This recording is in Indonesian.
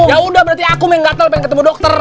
yaudah berarti akum yang gatel pengen ketemu dokter